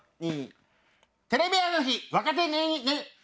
テレビ朝日「若手ネネ」。